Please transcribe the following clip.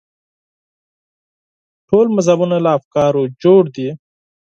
ټول مذهبونه له افکارو جوړ دي.